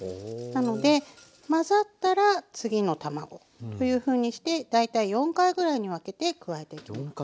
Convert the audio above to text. なので混ざったら次の卵というふうにして大体４回ぐらいに分けて加えていきます。